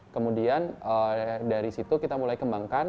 kemudian dari situ kita mulai kembangkan